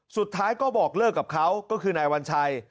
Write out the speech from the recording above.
สุดท้ายก็บอกเลิกกับเขาก็คือนายวัญชัย